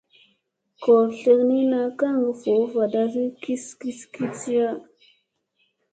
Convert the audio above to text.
Goor tleknina kaŋga voo vadasi kis kis kidisiya.